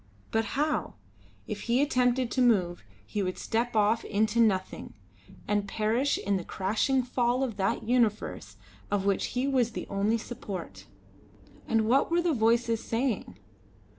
But how? If he attempted to move he would step off into nothing, and perish in the crashing fall of that universe of which he was the only support. And what were the voices saying?